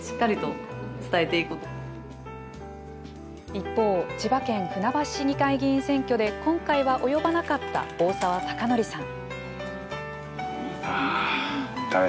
一方、千葉県船橋市議会議員選挙で今回は及ばなかった大澤貴成さん。